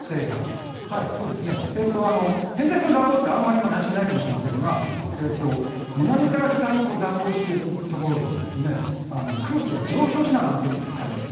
偏西風の蛇行って、あまりなじみがないかもしれませんが南から北に蛇行していくところでは空気が上昇しながら上がっていくんですよ。